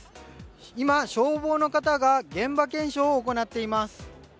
今、消防の方が現場検証を行っています。